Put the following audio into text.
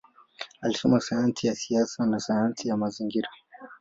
Alisoma sayansi ya siasa na sayansi ya mazingira.